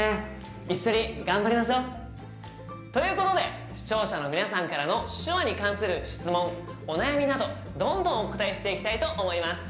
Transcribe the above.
一緒に頑張りましょう！ということで視聴者の皆さんからの手話に関する質問お悩みなどどんどんお答えしていきたいと思います。